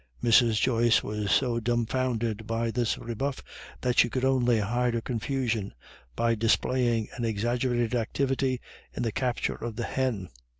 Mrs. Joyce was so dumbfounded by this rebuff that she could only hide her confusion by displaying an exaggerated activity in the capture of the hen.